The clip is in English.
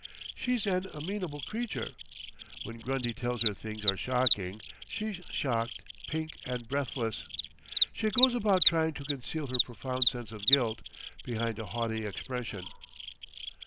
She's an amenable creature. When Grundy tells her things are shocking, she's shocked—pink and breathless. She goes about trying to conceal her profound sense of guilt behind a haughty expression....